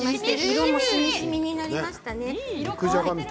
色もしみしみになりましたね。